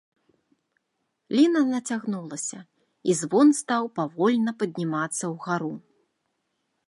Ліна нацягнулася, і звон стаў павольна паднімацца ўгару.